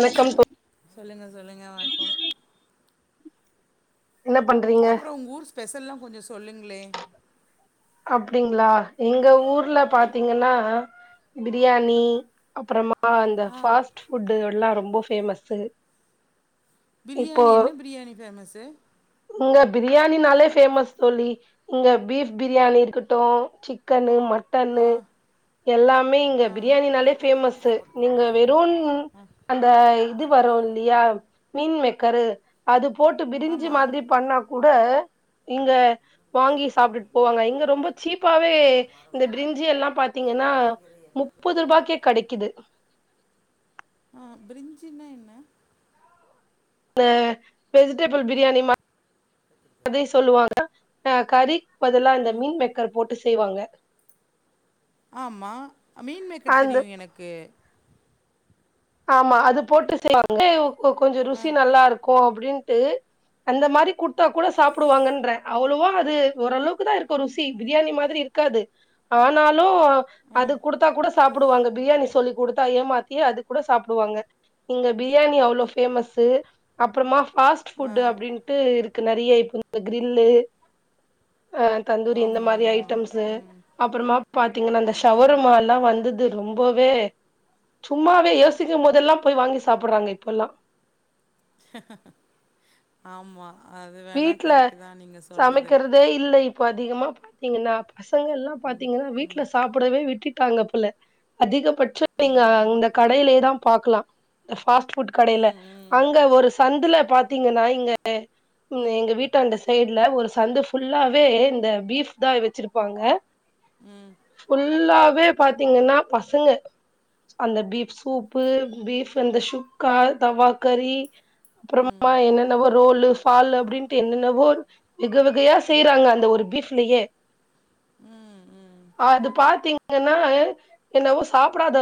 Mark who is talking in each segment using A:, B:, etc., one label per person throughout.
A: Hello
B: தோ
A: சொல்லுங்க சொல்லுங்க வணக்கம்
B: என்ன பண்றீங்க
A: அப்றோ உங்க ஊர் ஸ்பெஷல்லா கொஞ்ச சொல்லுங்ளே
B: அப்டிங்ளா எங்க ஊர்ல பாத்திங்கன்னா பிரியாணி அப்பறமா ஆ அந்த ஃபாஸ்ட் ஃபுட்டு எல்லா ரொம்ப ஃபேமஸ்ஸு இப்போ
A: பிரியாணி என்ன பிரியாணி ஃபேமஸ்ஸு
B: இங்க பிரியாணினாலே ஃபேமஸ் தோழி இங்க பீஃப் பிரியாணி இருக்கட்டு சிக்கனு மட்
A: ஆ
B: டன்னு எல்லாமே இங்க
A: ஆ
B: பிரியாணினாலே ஃபேமஸ்ஸு நீங்க வெறு
A: ஆ
B: அந்த இது வரு இல்லையா மீன்மே க்கரு அது போட்டு பிரிஞ்சி
A: ஆமா
B: மாதிரி பண்ணா கூட இங்க வாங்கி சாப்டுட்டு போவாங்க இங்க ரொம்ப சீப்பாவே இந்த பிரிஞ்சி எல்லா பாத்திங்கன்னா முப்பது ரூபாக்கே கெடைக்குது
A: ஆ பிரிஞ்சின்னா என்ன
B: அந்த வெஜிடபிள் பிரியாணி மா ரி சொல்லுவாங்க ஆ கறி க்கு பதில்லா இந்த
A: ஆ
B: மீன் மேக்கர் போட்டு செய்வாங்க
A: ஆமா மீன் மேக்கர்
B: அந்த
A: தெரியு எனக்கு
B: ஆமா அது போட்டு செய்வாங்க கொஞ்ச ருசி
A: ஆ
B: நல்லாருக்கு அப்டின்ட்டு அந்த மாரி குடுத்தா கூட சாப்பிடுவாங்கன்ற அவ்வளவா அது ஓரளவுக்குதா இருக்கு ருசி பிரியாணி மாதிரி இரு க்காது ஆனாலு
A: ஆ
B: அது குடுத்தா கூட சாப்பிடுவாங்க பிரியாணி சொல்லி குடுத்தா ஏமாத்தி அது கூட சாப்பிடுவாங்க இங்க பிரியாணி அவ்ளோ ஃபேமஸ்ஸு அப்பறமா ஃபாஸ்ட்
A: ஆ
B: ஃபுட் அப்படின்ட்டு இருக்கு நிறைய இப்போ இந்த கிரில்லு அஹ் தந்தூரி இந்த
A: ஆமா
B: மாதிரி
A: ஆமா
B: ஐட்டம்ஸ்
A: ம்
B: அப்புறமா பாத்தீங்கன்னா அந்த
A: ம்
B: ஷவர்மாலாம் வந்தது ரொம்பவே சும்மா அ யோசிக்கும் போதெல்லா போய் வாங்கி சாப்புட்றாங்க இப்போல்லா
A: ஆமா அது வேணா
B: வீட்ல
A: கரெக்ட்டு தா நீங்க சொல்றது
B: ப அதிகமா பாத்தீங்கனா பசங்கல்லா
A: ம்
B: பாத்தீங்கனா
A: ம்
B: வீட்ல சாப்டவே விட்டுட் ட்டாங்கபோல அதிகபட்சோ நீங்க
A: ம்
B: அந்த கடையிலே தா பாக்லா ஃபாஸ்ட் ஃபுட் கடைல
A: ம்
B: அங்க ஒரு சந்துல பாத்தீங்கன்னா இங்க ம் எங்க வீட்டாண்ட சைட்ல ஒரு சந்து ஃபுல்லாவே இந்த பீஃப் தா வச்சிருப்பாங்க
A: ம்
B: எல்லாவே பாத்தீங்கன்னா பசங்க அந்த பீஃப் சூப்பு பீஃப் இந்த சுக்கா தவாக்கறி அப்புறமா என்னென்னவ ரோல்லு அப்படின்ட்டு என்னென்னவோ விகை வகையா செய்யறாங்க அந்த ஒரு பீப்லயே
A: ம் ம்
B: அது பாத்தீங்கன்னா என்னவோ சாப்டாத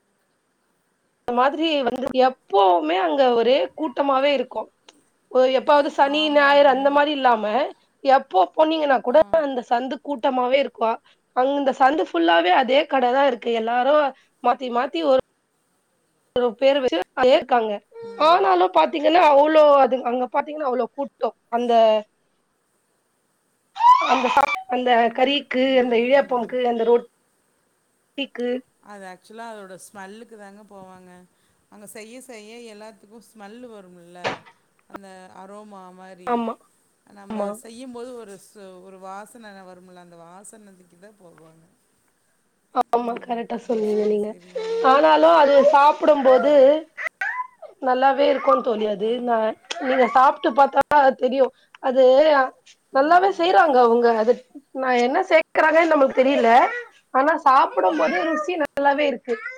B: மாதிரி வந்து எப்பவுமே அங்க ஒரே கூட்டமாவே இருக்கூ ஒரு எப்பாவ்து சனி
A: ஆமாங்க
B: ஞாயிறு
A: இப்போ
B: அந்த
A: முன்
B: மாரி இல்லாம எப்போ போனீங்கனா கூட
A: ஆ
B: அந்த சந்து கூட் ட்டமாவே இருக்கூ அங்க இந்த சந்து ஃபுல்லாவே அதே கடதா இருக்கு எல்லாரூ மாத்தி மாத்தி ஒர் ஒரு பேர் வச்சு ஏர்க்காங்க ஆனாலு பாத்தீங் இல்ல அவ்ளோ அது அங்க பாத்தீங்கன்னா அவ்ளோ கூட்டோ அந்த அந்த அந்த கறிக்கு அந்த
A: ம் ம்
B: இடியாப்பம்க்கு அந்த ரோட்ட பட்டுக்கு
A: எல்லா அதோட ஸ்மெல்லுக்கு தாங்க போவாங்க அங்க செய்ய செய்ய எல்லாத்துக்கும் ஸ்மெல்லு வரும்ல அந்த அரோமா மாரி
B: ஆமா
A: நம்ப
B: ஆமா
A: செய்யும்போது ஒரு ஸ் து ஒரு வாசன வருமுல அந்த வாசனதிக்கு தா போவாங்க
B: [inaudible] ஆமா
A: ம்
B: கரக்ட்டா
A: ஓ
B: சொன்னீங்க
A: சரி
B: நீங்க
A: சரிங்க
B: ஆனாலு அது
A: ஆ
B: சாப்புடும்போது நல்லாவே இருக்கு தோழி அது
A: ஆ
B: ந நீங்க சாப் விட்டு பாத்தா தா தெரியு அது
A: ம்
B: நல்லாவே
A: ம்
B: செய்றாங்க அவுங்க அது நான் என்ன சேர்க்கறாங்கன்னு நமக்கு தெரில ஆனா சாப்படும் போது
A: ம்
B: ருசி நல்லாவே இருக்கு க்கு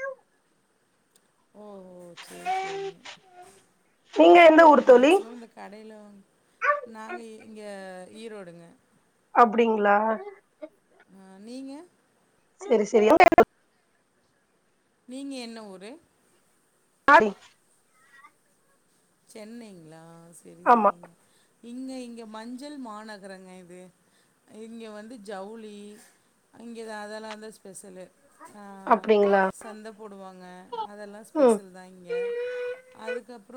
A: ஓ ஓ சேரி சேரிங்
B: நீங்க எந்த
A: நா
B: ஊர் தோழி
A: மேக்ஸிமம் இந்தக் கடையில நாங்க இங்க ஈரோடுங்க
B: அப்டிங்களா
A: ஆ நீங்க
B: செரி செரி [unintelligible]
A: நீங்க என்ன ஊரு
B: [unintelligible]
A: சென்னைங்களா செரி
B: ஆமா
A: செரி இங்க இங்க மஞ்சள் மாநகரங்க இது இங்க வந்து ஜவுளி இங்க தா அதெல்லா தா ஸ்பெஷலு ஆ
B: அப்டி
A: சந்த போடுவாங்க அதெல்லா
B: ம்
A: ஸ்பெஷல் தா இங்க அதுக்கப்புற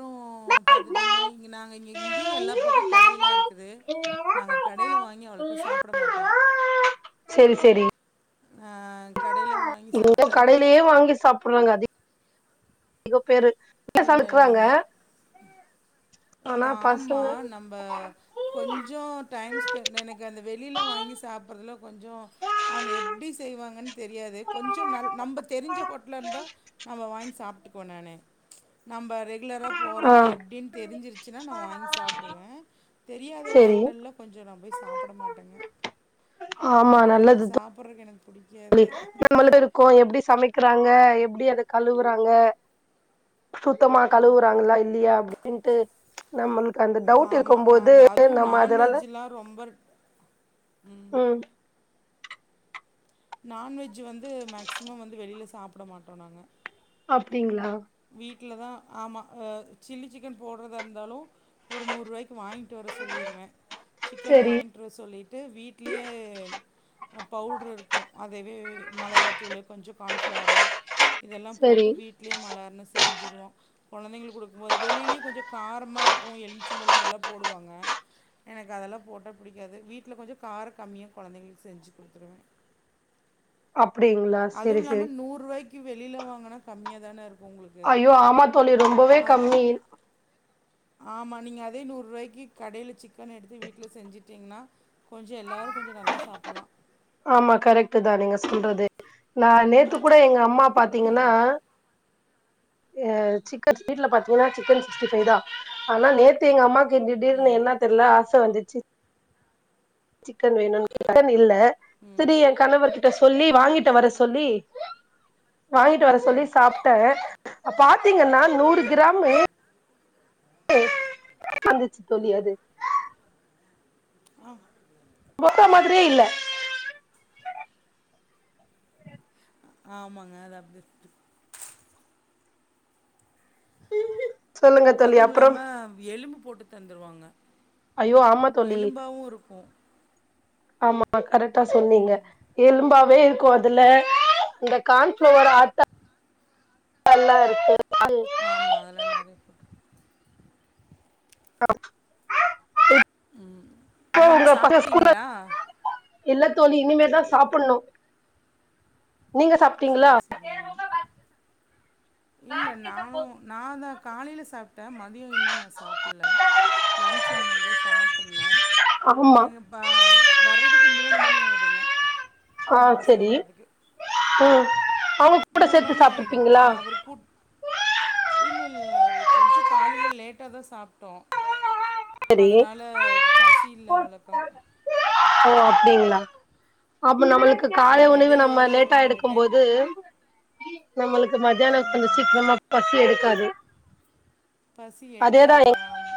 A: பாத்துட்டீங்கனா இங்க நாங்க இங் இங்கியு எல்லா பக்கோ கடையில்லா இருக்குது நாங்க கடையில வாங்கி அவ்ளுக்கா சாப்ட மாட்டோ
B: செரி செரி
A: ஆ கடையில வாங்கி
B: எங்க
A: சாப்ட்டா
B: கடையிலயே வாங்கி சாப்படுறாங்க அதிக இவ பேரு வீட்ல
A: இல்ல
B: சமைக்கிறாங்க
A: இல்லைங்க இல்ல
B: ஆனா பசங்க
A: ஆமா நம்ம கொஞ்சோ டைம் ஸ்பெண்ட் எனக்கு அந்த வெளியில வாங் வாங்கி சாப்புறதுல கொஞ்சோ அவங்க எப்டி செய்வாங்கன் தெரியாது தெரியாது கொஞ்சோ நல் நம்ம தெரிஞ்ச ஹோட்டலா இருந்தா நம்ம வாங்கி சாப்ட்டுக்குவோ நானு நம்ப ரெகுலரா
B: ஆ
A: போறோ எப்டின் தெரிஞ்சிருச்சுனா நா வாங்கி சாப்டுவ தெரியாத
B: செரி
A: ஹோட்டல்ல கொஞ் ச நா போய் சாப்புட மாட்டேங்க எனக்கு அது சாப்புட்றக்கு எனக்கு
B: தோழி
A: புடிக்காது.
B: நம்மளிட்ட இருக்கோ எப்டி சமைக்குறாங்க எப்டி அத கழுவுறாங்க சுத்தமா கழுவுறாங்களா இல்லயா அப்டின்ட்டு நம்மளுக்கு அந்த டவுட் இருக்கம்போது நம்ம அதுனால
A: ஒம்பர்
B: ம்
A: நான்வெஜ் வந்து மேக்சிமம் வந்து வெளில சாப்பிட மாட்டோ நாங்க
B: அப்டிங்ளா
A: ல தா ஆமா சில்லி சிக்கன் போடுறதா இருந்தாலு ஒரு நூறு ரூவாய்க்கு வாங்கிட்டு வர சொல்லிருவே சிக்கன
B: செரி
A: வாங்கிட்டு வர சொல்லிட்டு வீட்லியே அ பவுட்ரு இருக்கு அதைவே மெளகாத்தூளு கொஞ்சோ கான்ஃபிளாரு இதெல்லா போட்டு
B: செரி
A: வீட்லேயே மழ செஞ்சுருவோ கொழந்தைங்களுக் குடுக்கும்போது வெளியிலயு கொஞ்சோ காரமாருக்கு எலுமிச்சம்பழொ அதெல்லா போடுவாங்க. எனக்கு அதெல்லா போட்டா புடிக்காது வீட்டுல கொஞ்சோ கார கம்மியா கொழந்தைங்களுக்கு செஞ்சு குடுத்துடுவே
B: [inaudible] அப்டிங்களா
A: அதுவு
B: செரி
A: இல்லாம
B: செரி
A: நூரூவாய்க்கு வெளில வாங்கனா கம்மியா தானே இருக்
B: ஐயோ ஆமா தோழி ரொம்பவே கம்மி
A: ஆமா நீங்க அதே நூரூவாய்க்கு கடைல சிக்கன் எடுத்து வீட்டுல செஞ்சிட்டீங்கன்னா கொஞ்சோ எல்லாரு கொஞ்சோ நல்லா சாப்புல்லா
B: ஆமா கரெக்ட்தா நீங்க சொல்றது நா நேத்து கூட எங்க அம்மா பாத்தீங்கன்னா
A: ம்
B: எ சிக்கன் வீட்டுல பாத்தீங்கன்னா சிக்கன் சிக்ஸ்டி ஃபைவ்தா ஆனா நேத்து எங்க அம்மா கு திடீர்னு
A: ம்
B: என்னா தெர்ல ஆச வந்துச்சு சிக்கன் வேணுனு சிக்கன் இல்ல
A: ம்
B: செரி என் கணவர் கிட் ட்ட சொல்லி வாங்கிட்டு வர சொல்லி வாங்கிட்டு வர சொல்லி
A: ம்
B: சாப்ட்டே பாத்தீங்கன்னா நூறு
A: ம்
B: கிராம்மு க்காந்துச்சு தோழி அது
A: ஆ
B: போட்ட மாதிரியே இல்ல
A: ஆமாங்க அது அப்புடி
B: சொல்லுங்க தோழி
A: அதுவும் இல்லாம
B: அப்புறம்
A: எலும்பு போட்டு தந்துருவாங்க
B: ஐயோ ஆமா தோழி
A: எலும்பாவு இருக்கு
B: ஆமா அ கரெக்ட்டா சொன்னீங்க எலும்பாவே க்கு அதுல இந்த கான்ஃப்ளவர் ஆட்டா [inaudible] எல்லா இருக்கு
A: ஆமா அதுலா நெறையா போ
B: [inaudible]
A: ம்
B: இப்போ
A: நீங்க சாப்ட்டீங்களா?
B: இல்லத்தோழி இனிமேதா சாப்புன்னு நீங்க சாப்ட்டீங்களா?
A: சரி சரிங்க இல்ல நானு நான்தா காலையில சாப்ட்டே மதியொ இன்னு நா சாப்புல்ல லன்ச் இனிமேதா சாப்புன்னு
B: ஆமா
A: எங்க பா வறதுக்கு மூணு மணி ஆய் [unintelligible]
B: ஆ செரி ம் அவங்க கூட சேத்து
A: மணி
B: சாப்ட்டிருப்பீங்களா
A: இல்லெல்ல எ கொஞ்சொ காலைல லேட்டாதா சாப்ட்டோ
B: செரி
A: அதனால பசி இல்ல அவ்ளாக்கா
B: ஓ அப்டிங்களா அப்ப நம்மளுக்கு காலை
A: ஆமா
B: உணவு
A: இடையில
B: நம்ம
A: வேற ஒரு
B: லேட்டா எடுக்கொம்
A: டைம்
B: போது நம்மளுக்கு மதியான கொஞ்சொ
A: ம்.
B: சீக்கிரமா பசி எடுக்காது
A: பசி
B: அதேதா
A: எடுக்காது ஆம்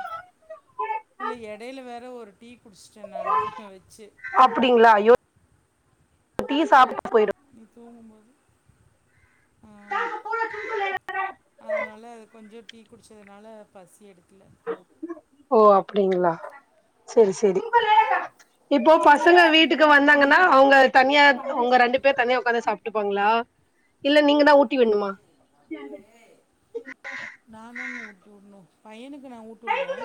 A: இல்ல எடையில வேற ஒரு டீ குடிச்சிட்டே நானு வச்சு
B: அப்டிங்களா அயோ டீ சாப்ட்
A: நீ தூங்கும் போ அதனால அது கொஞ்சோ டீ குடிச்சதுனால பசி எடுக்கல
B: ஓ அப்படிங்களா செரி செரி இப்போ பசங்க வீட்டுக்கு வந்தாங்கன்னா அவங்க தனியா ஒங்க ரெண்டு பேர் தனியா உக்காந்து சாப்ட்டுப்பாங்களா? இல்ல நீங்கதா ஊட்டி விட்ணுமா
A: நாந்தாங்க ஊட்டி வுட்ணு பையனுக் கு நா ஊட்டிவுடுவே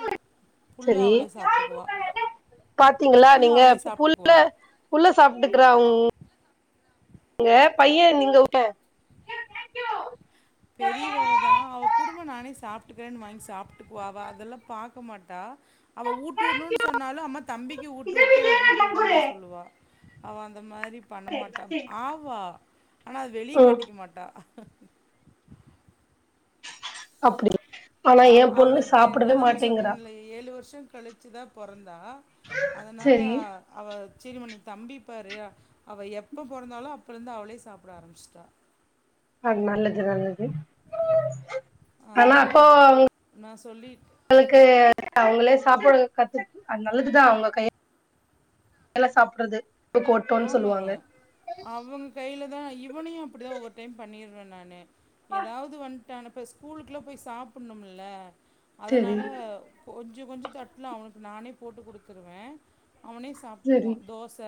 A: புள்ள
B: செரி
A: அவளே சாப்ட்டுக்குவா
B: பாத்தீங்களா நீங்க பு புள்ள புள்ள சாப்ட்டுக்கறா உங் க பைய நீங்க ஊட்ட
A: பெரியவ அவதா அவ குடும்மா நானே சாப்ட்டுக்குறேன்னு வாங்கி சாப்ட்டுக்குவா அவ அதெல்லா பாக்க மாட்டா அவ ஊட்டு விட்ணுனு சொன்னாலு அம்மா தம்பிக்கு ஊட்டு வுட்டு எனக்கு ஊட்டு வுடுனுதா சொல்லுவா அவ அந் த மாரி பண்ணமாட்ட ஆவா ஆனா அத வெளிய
B: ம்
A: காட்டிக்க மாட்டா
B: அப்டி ஆனா எ
A: ஆமா
B: பொண்ணு
A: அவளுக்கு
B: சாப்டவே
A: அதா நா
B: மாட்டேங்கிறா
A: சொன்னேனில்ல ஏழு வருஷோ கழிச்சுதா பொறந் தா அதனால
B: செரி
A: அவ செரிமா நீ தம்பிப்பாரு அவ எப்ப பொறந்தாலோ அப்பொலந்து அவளே சாப்ட ஆரம்பிச்ட்டா
B: அது நல்லது நல்ல து
A: ஆ
B: ஆனா அப்போ
A: நா சொல்லிட்
B: உங்களுக்கு அவங்களே சாப்புடு கத்து அது நல்லதுதா அவங்க கை யால சாப்ட்றது
A: ஆமாங்க அவங்க கைல தா இவனையு அப்டிதா ஒவ்வொரு டைம் பண்ணிருவே நானு ஏதாவது வன்ட்டான் இப்ப ஸ்கூலுக்குல்லா போய் சாப்புட்ணும் இல்ல
B: செரி
A: அதனால கொஞ்சொ கொஞ்சொ தட்டுல அவனுக்கு நானே போட்டு குடுத்துருவே அவனே சாப்ட்டுக்குவா
B: செரி
A: தோச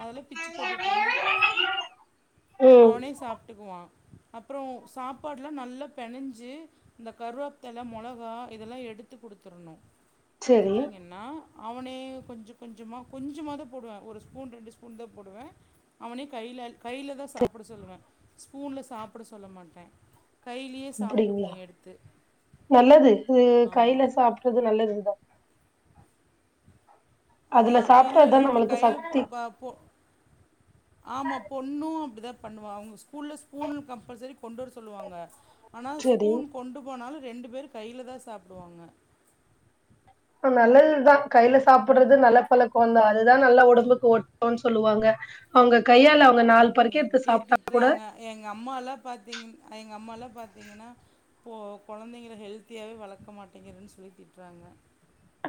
A: அதெல்லா பிச்சி போட்டுட்டேன்னா
B: ம்
A: அவனே சாப்ட்டுக்குவா அப்றோ சாப்பாடுல்லா நல்லா பெனஞ்சி இந்த கருவேப்த்தல மொளகா இதெல்லா எடுத் து குடுத்துறுணு
B: செரி
A: குடுத்துட்டீங்கன்னா அவனே கொஞ்ச கொஞ்சமா கொஞ்சமா தா போடுவே ஒரு ஸ்பூன் ரெண்டு ஸ்பூன் தா போடுவே அவனே கைலல் கைலதா சாப்பிட சொல்லுவே ஸ்பூன்ல சாப்பிட சொல்ல மாட்டே
B: அப்டீங்குளா நல்லது ம்
A: ஆமாம்
B: கைல சாப்ட்றது நல்லதுதா
A: அதா
B: அதுல
A: இல்ல
B: சாப்பிட்டாதா
A: இல்ல எனக்கு
B: நம்மளுக்கு
A: கையில
B: சக்தி
A: பா போ ஆமா பொண்ணு அப்டிதா பண்ணுவா அவங்க ஸ்கூல்ல ஸ்பூன் கம்பல்சரி கொண்டு வர சொல்லுவாங்க ஆனா
B: செரி
A: ஸ்பூன் கொண்டு போனாலு ரெண்டு பேரு கையில தா சாப்டுவாங்க
B: நல்லதுதா கையில சாப்புடுறது நல்ல பழக்கோந்தா அதுதா நல்லா ஒடம்புக்கு ஒட்டுன்னு சொல்லுவாங்க உங்க
A: ஏங்க எங்க இதுக்கே திட்றாங்க எங்க அம்மால்லா பாத்தீங்கின் எங் க அம்மால்லா பாத்தீங்கன்னா இப்போ கொழந்தைங்கள ஹெல்த்தியாவே வளக்க மாட்டேங்கிறேன் சொல்லி திட்றாங்க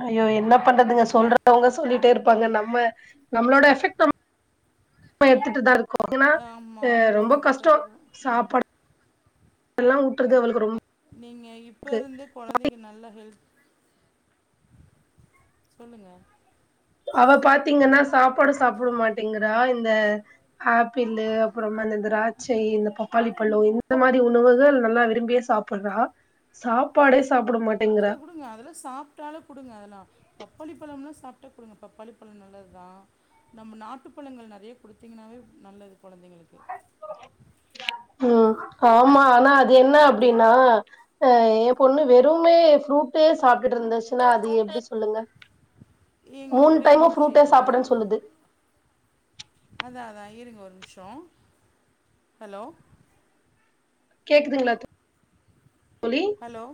B: ஐயோ என்ன பண்றதுங்க சொல்றவங்க சொல்லிட்டே இருப் பாங்க நம்ம நம்மளோட எஃபெக்ட் நம் ம எடுத்துட்டு தா இருக்கோ ஏன்னா
A: ஆமா
B: ரொம்ப
A: போட்டுட்டுதா
B: கஷ்டோ
A: இருக்கோ ம்
B: சாப்பா எல்லா ஊட்றது அவளுக்கு ரொம்
A: நீங்க இப்ப இருந்தே கொழந்தைக்கு நல்ல ஹெல் சொல்லுங்க
B: அவ பாத்தீங்கன்னா சாப்பாடு சாப்பிட மாட்டேங்குறா இந்த ஆப்பிளு அப்புறோ அந்த த்ராட்சை இந்த பப்பாளி பழோ இந்த மாரி உணவுகள் நல்லா விரும்பியே சாப்புட்றா சாப்பாடேச்
A: செரி குடுங்க அதெல்லா சாப்ட்டாலே குடுங்க அதெல்லா பப்பாளி பழம்னா சாப்ட்டா கொடுங்க பப்பாளி பழம் நல்லதுதா நம்ம நாட்டுப்பழங்கள் நெறைய குடுத்தீங்கன்னாவே நல்லது குழந்தைங்களுக்
B: ம் ஆமா ஆனா அது என்ன அப்டின்னா அ எ பொண்ணு வெறுவுமே ஃப்ரூட்டே சாப் புட்றது இருந்துச்சுன்னா அது எப்டி சொல்லுங்க
A: ஏங்க
B: மூணு
A: ஒரே ஒரு
B: டைமூ
A: நிமிஷம்
B: ஃப்ரூட்டே
A: இருங்க
B: சாப்புட்றே சொல்லுது
A: அதா அதா இருங்க ஒரு நிமிஷோ ஹலோ
B: கேக்குதுங்களா தோ
A: ஹலோ